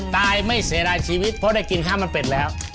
ไม่เสียดายชีวิตเพราะได้กินข้าวมันเป็ดแล้ว